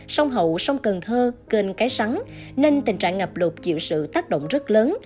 sông hậu sông cần thơ kênh cái sắn nên tình trạng ngập lụt chịu sự tác động rất lớn